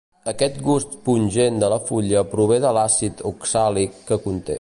Aquest gust pungent de la fulla prové de l'àcid oxàlic que conté.